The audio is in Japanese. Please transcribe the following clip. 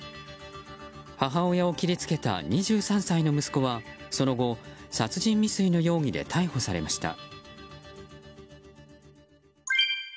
母親を切りつけた２３歳の息子はその後、殺人未遂の容疑で逮捕されました。